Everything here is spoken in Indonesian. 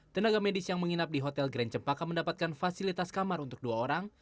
tenaga medis yang menginap di hotel grand cempaka mendapatkan fasilitas kamar untuk dua orang